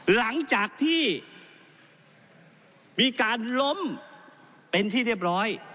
หลังจากที่มีการล้มเป็นที่เรียบร้อย